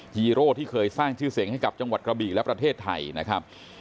ฮีโร่ที่เคยสร้างชื่อเสียงให้กับจังหวัดกระบีและประเทศไทยนะครับ